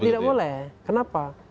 tidak boleh kenapa